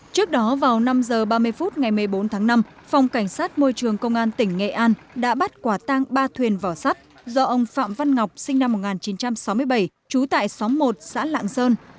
trước đó vào năm h ba mươi phút ngày một mươi bốn tháng năm phòng cảnh sát môi trường công an tỉnh nghệ an đã bắt quả tang ba thuyền vỏ sắt do ông phạm văn ngọc sinh năm một nghìn chín trăm sáu mươi bảy trú tại xóm một xã lạng sơn